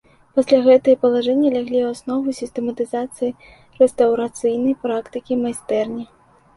Пасля гэтыя палажэнні ляглі ў аснову сістэматызацыі рэстаўрацыйнай практыкі майстэрні.